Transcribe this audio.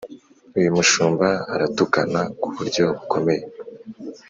Uyumushumba aratukana kuburyo bukomeye